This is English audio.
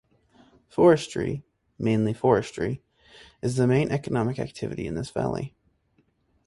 Forestry (mainly forestry) is the main economic activity in this valley.